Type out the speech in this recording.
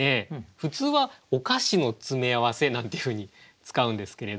普通は「お菓子の詰め合わせ」なんていうふうに使うんですけれど。